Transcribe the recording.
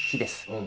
うん。